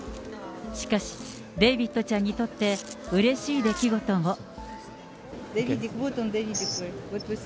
しかし、デイビットちゃんにとって、うれしい出来事も。